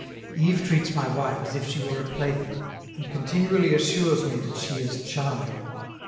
Yves treats my wife as if she were a plaything, and continually assures me that she is charming.